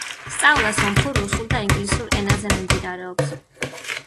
სწავლა სომხურ, რუსულ და ინგლისურ ენაზე მიმდინარეობს.